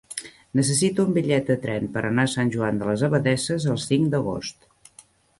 Necessito un bitllet de tren per anar a Sant Joan de les Abadesses el cinc d'agost.